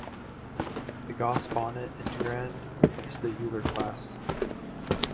The Gauss-Bonnet integrand is the Euler class.